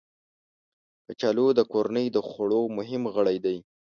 کچالو د کورنۍ د خوړو مهم غړی دی